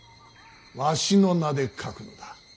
わしの名で書くのだ。